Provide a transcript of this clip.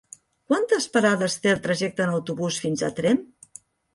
Quantes parades té el trajecte en autobús fins a Tremp?